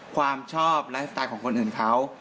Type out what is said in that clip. ความชอบไลฟ์สไตล์ของคนอื่นเขา